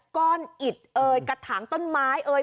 ก้อนอิดเอ่ยกระถางต้นไม้เอ่ย